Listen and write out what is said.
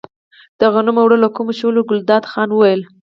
د غنمو اوړه له کومه شول، ګلداد خان وویل.